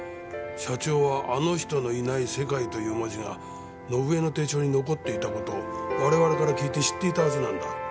社長は「あの人のいない世界」という文字が伸枝の手帳に残っていた事を我々から聞いて知っていたはずなんだ。